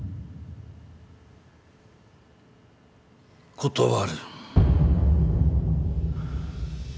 断る。